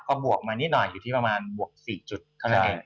ก็บวกมานิดหน่อยอยู่ที่ประมาณบวก๔จุดเท่านั้นเอง